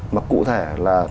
mà cụ thể là